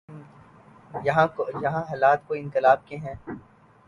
یہاں حالات کوئی انقلاب کے ہیں؟